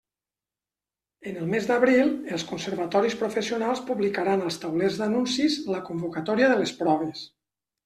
En el mes d'abril, els conservatoris professionals publicaran als taulers d'anuncis la convocatòria de les proves.